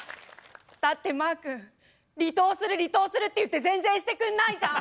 だってまー君離党する離党するって言って全然してくんないじゃん！